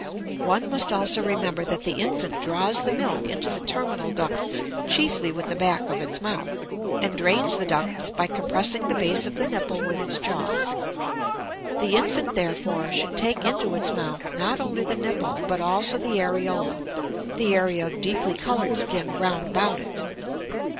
One must also remember that the infant draws the milk into the terminal ducts chiefly with the back of its mouth, and drains the ducts by compressing the base of the nipple with its jaws; the infant therefore should take into its mouth not only the nipple, but also the areola, the area of deeply colored skin round about it.